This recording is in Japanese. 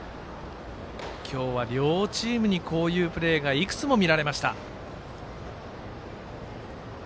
今日は両チームにこういうプレーがいくつも見られました。